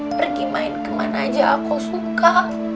pergi main kemana aja aku suka